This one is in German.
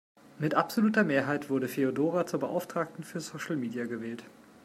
Mit absoluter Mehrheit wurde Feodora zur Beauftragten für Social Media gewählt.